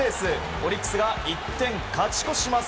オリックスが１点勝ち越します。